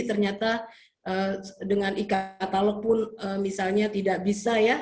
ternyata dengan e katalog pun misalnya tidak bisa ya